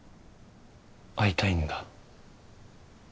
会いたいんだ☎